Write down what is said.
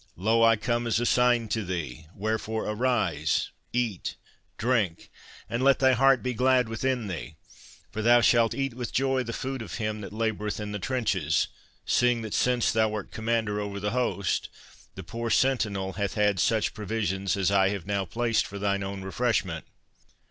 Lo, I come as a sign to thee; wherefore arise, eat, drink, and let thy heart be glad within thee; for thou shalt eat with joy the food of him that laboureth in the trenches, seeing that since thou wert commander over the host, the poor sentinel hath had such provisions as I have now placed for thine own refreshment."